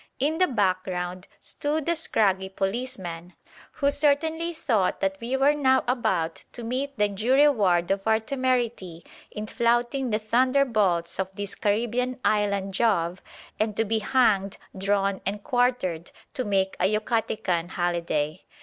In the background stood the scraggy policeman, who certainly thought that we were now about to meet the due reward of our temerity in flouting the thunderbolts of this Caribbean island Jove and to be hanged, drawn and quartered to "make a Yucatecan holiday."